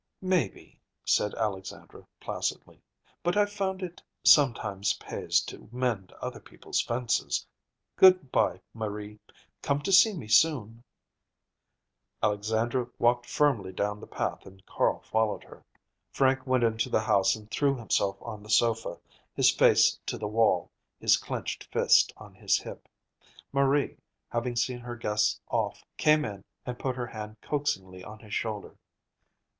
"Maybe," said Alexandra placidly; "but I've found it sometimes pays to mend other people's fences. Good bye, Marie. Come to see me soon." Alexandra walked firmly down the path and Carl followed her. Frank went into the house and threw himself on the sofa, his face to the wall, his clenched fist on his hip. Marie, having seen her guests off, came in and put her hand coaxingly on his shoulder.